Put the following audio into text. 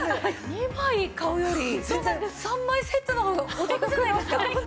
２枚買うより３枚セットの方がお得じゃないですか。